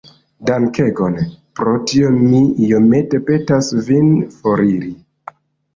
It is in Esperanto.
Dankegon. Pro tio mi iomete petas vin foriri.